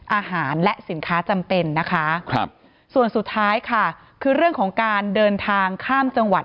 อาหารและสินค้าจำเป็นนะคะครับส่วนสุดท้ายค่ะคือเรื่องของการเดินทางข้ามจังหวัด